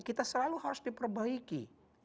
kita selalu harus diperbaiki